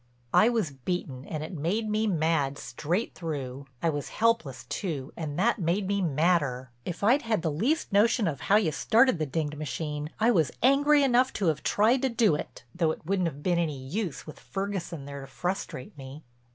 I was beaten and it made me mad straight through. I was helpless too and that made me madder. If I'd had the least notion of how you started the dinged machine I was angry enough to have tried to do it, though it wouldn't have been any use with Ferguson there to frustrate me.